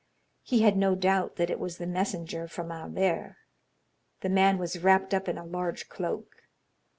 He had no doubt that it was the messenger from Albert. The man was wrapped up in a large cloak.